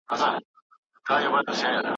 هېڅ ځواک نشو کولای دوی مات کړي.